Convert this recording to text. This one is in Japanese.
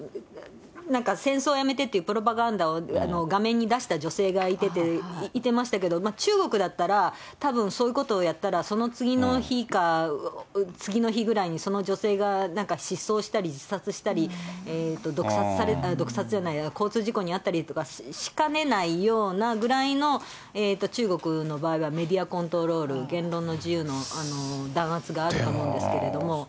なんか、戦争やめてってプロバガンダを画面に出した女性がいてましたけれども、中国だったら、たぶん、そういうことをやったら、その次の日か次の日ぐらいに、その女性がなんか、失踪したり、自殺したり、毒殺じゃないや、交通事故に遭ったりとかしかねないようなぐらいの、中国の場合はメディアコントロール、言論の自由の弾圧があると思うんですけれども。